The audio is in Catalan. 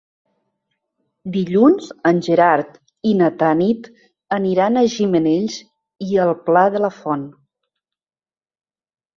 Dilluns en Gerard i na Tanit aniran a Gimenells i el Pla de la Font.